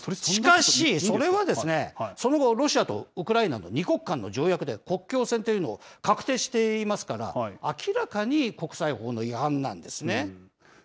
しかし、それはその後、ロシアとウクライナの２国間の条約で国境線というのを確定していますから、明らかに国際法の違反なんですね。